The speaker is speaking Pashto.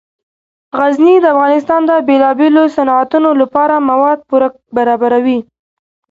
غزني د افغانستان د بیلابیلو صنعتونو لپاره مواد پوره برابروي.